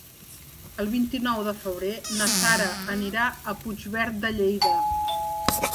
El vint-i-nou de febrer na Sara anirà a Puigverd de Lleida.